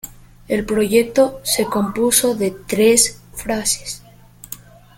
El proyecto se compuso de tres fases.